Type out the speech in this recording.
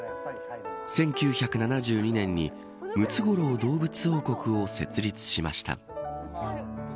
１９７２年にムツゴロウ動物王国を設立しました。